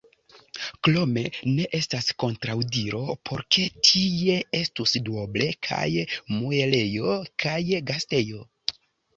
Krome ne estas kontraŭdiro por ke tie estus duoble kaj muelejo kaj gastejo.